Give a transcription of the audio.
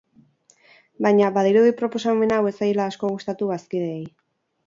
Baina, badirudi proposamen hau ez zaiela asko gustatu bazkideei.